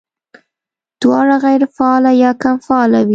دواړه غېر فعاله يا کم فعاله وي